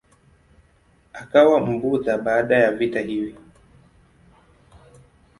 Akawa Mbudha baada ya vita hivi.